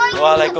tapi pada gak mau